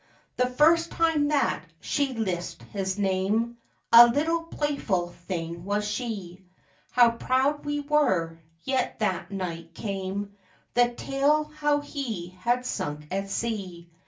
The first time that she lispŌĆÖd his name, A little playful thing was she; How proud we were ŌĆöyet that night came The tale how he had sunk at sea.